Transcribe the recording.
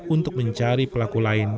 untuk mencari pelaku lain